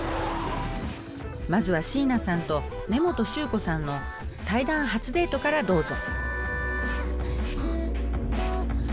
まずは椎名さんと根本宗子さんの対談初デートからどうぞ。